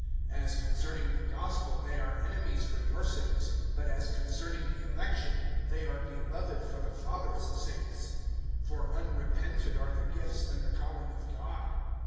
(28)As concerning the gospel, they are enemies for your sakes; but as concerning the election, they are beloved for the fathers' sakes. (29)For unrepented are the gifts and the calling of God.